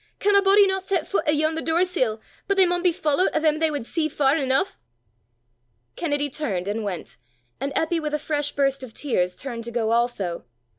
Can a body no set fut 'ayont the door sill, but they maun be followt o' them they wud see far eneuch!" Kennedy turned and went, and Eppy with a fresh burst of tears turned to go also.